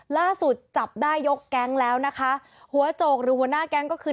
ล่าสุดจับได้ยกแก๊งแล้วนะคะหัวโจกหรือหัวหน้าแก๊งก็คือ